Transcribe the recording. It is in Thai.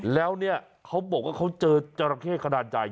แล้วเนี่ยเขาบอกว่าเขาเจอจราเข้ขนาดใหญ่